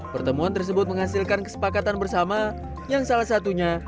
pertemuan tersebut menghasilkan kesepakatan bersama yang salah satunya